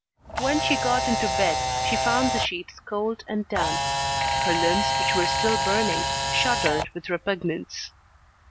When she got into bed, she found the sheets cold and damp. Her limbs, which were still burning, shuddered with repugnance.